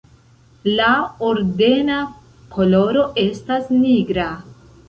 La ordena koloro estas nigra.